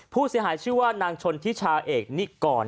ผู้เสียหายชื่อว่านางชนทิชาเอกนิกร